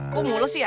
kok mulus ya